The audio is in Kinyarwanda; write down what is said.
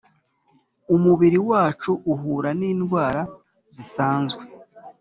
umubiri wacu uhura n’indwara zisanzwe,